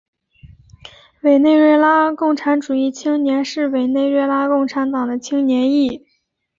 委内瑞拉共产主义青年是委内瑞拉共产党的青年翼。